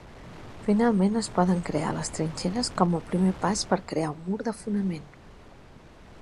Finalment, es poden crear les trinxeres com a primer pas per crear un mur de fonament.